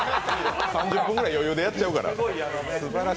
３０分ぐらい余裕でちゃっちゃうから。